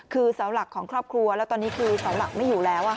คือเสาหลักของครอบครัวแล้วตอนนี้คือเสาหลักไม่อยู่แล้ว